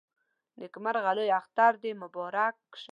د نيکمرغه لوی اختر دې مبارک شه